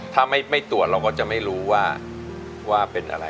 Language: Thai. ถ้าไม่ตรวจเราก็จะไม่รู้ว่าเป็นอะไร